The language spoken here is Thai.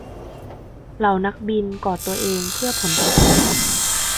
เหล่านักบินกอดตัวเองเพื่อผลกระทบ